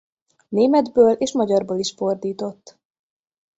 Németből és magyarból is fordított.